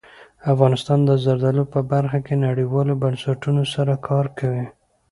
افغانستان د زردالو په برخه کې نړیوالو بنسټونو سره کار کوي.